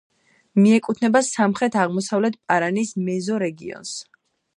მიეკუთვნება სამხრეთ-აღმოსავლეთ პარანის მეზორეგიონს.